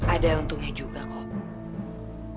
ada untungnya juga kok